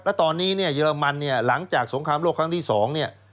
แล้วตอนนี้เยอรมันหลังจากสงครามโลกครั้งที่๒